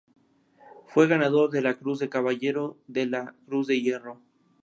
Fue ganador de la Cruz de Caballero de la Cruz de Hierro.